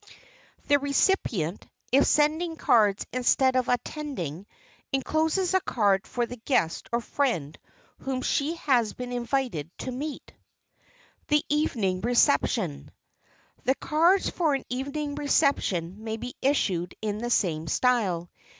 The recipient, if sending cards instead of attending, encloses a card for the guest or friend whom she has been invited to meet. [Sidenote: THE EVENING RECEPTION] The cards for an evening reception may be issued in the same style.